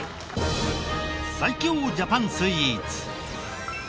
最強ジャパンスイーツ。